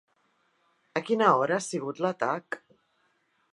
A quina hora ha sigut l'atac?